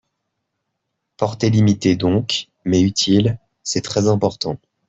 Portée limitée donc, mais utile, C’est très important